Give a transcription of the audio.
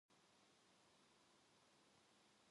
이제 덕호를 만나 뭐라고 말할 것이 난처하였던 것이다.